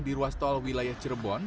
di ruas tol wilayah cirebon